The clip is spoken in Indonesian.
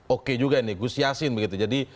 oke juga ini gus yassin begitu jadi